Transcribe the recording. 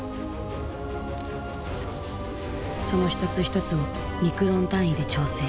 その一つ一つをミクロン単位で調整。